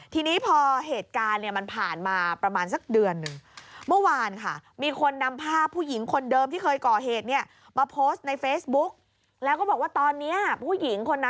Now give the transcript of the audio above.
ทีนี้พอเหตุการณ์มันผ่านมาประมาณสักเดือนหนึ่ง